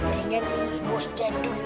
dengan bos jadul